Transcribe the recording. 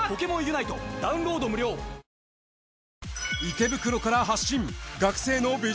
池袋から発信